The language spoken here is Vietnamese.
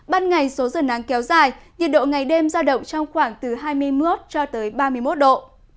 ban ngày số giờ nắng kéo dài nhiệt độ ngày đêm giao động trong khoảng từ hai mươi một cho tới ba mươi một độ